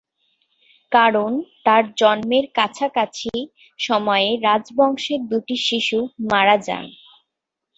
কারণ তার জন্মের কাছাকাছি সময়ে রাজবংশের দুটি শিশু মারা যান।